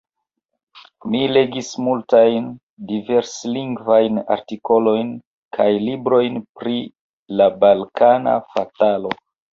Mi legis multajn, diverslingvajn artikolojn kaj librojn pri la balkana fatalo.